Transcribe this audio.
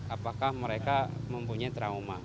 apakah mereka mempunyai trauma